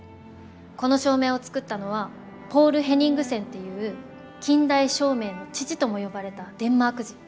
この照明を作ったのはポール・ヘニングセンっていう近代照明の父とも呼ばれたデンマーク人。